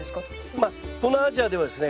まあ東南アジアではですね